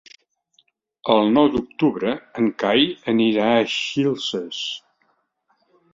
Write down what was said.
El nou d'octubre en Cai anirà a Xilxes.